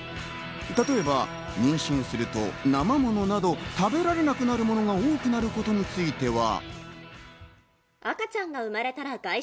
例えば妊娠すると生物など食べられなくなるものが多くなることについては。